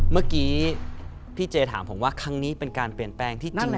เมื่อกี้พี่เจถามผมว่าครั้งนี้เป็นการเปลี่ยนแปลงที่จริง